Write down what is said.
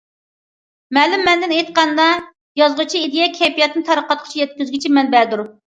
مەلۇم مەنىدىن ئېيتقاندا، يازغۇچى ئىدىيە، كەيپىياتنى تارقاتقۇچى، يەتكۈزگۈچى مەنبەدۇر.